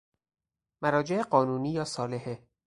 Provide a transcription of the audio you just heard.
مراجع قانونی یا صالحه